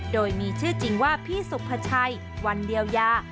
โดยมีชื่อจริงว่าพี่สุภาชัยวันเดียวยา